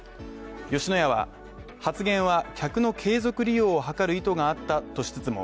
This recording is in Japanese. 吉野家は、発言は客の継続利用を図る意図があったとしつつも